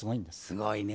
すごいね。